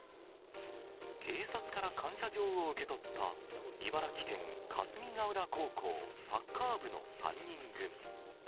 警察から感謝状を受け取った、茨城県・霞ヶ浦高校サッカー部の３人組。